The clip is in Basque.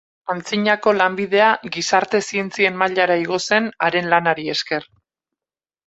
Antzinako lanbidea gizarte-zientzien mailara igo zen haren lanari esker.